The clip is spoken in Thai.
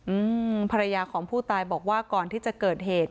อืมภรรยาของผู้ตายบอกว่าก่อนที่จะเกิดเหตุ